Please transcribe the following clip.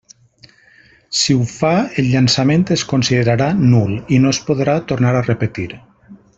Si ho fa, el llançament es considerarà nul, i no es podrà tornar a repetir.